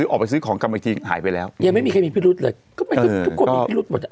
ออกไปซื้อของกลับมาอีกทีหายไปแล้วยังไม่มีใครมีพิรุธเลยก็มันก็ทุกคนมีพิรุธหมดอ่ะ